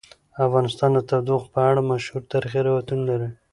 افغانستان د تودوخه په اړه مشهور تاریخی روایتونه لري.